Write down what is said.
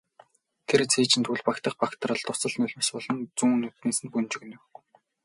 Тэр цээжинд үл багтах багтрал дусал нулимс болон зүүн нүднээс нь бөнжийв.